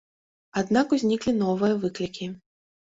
Аднак узніклі новыя выклікі.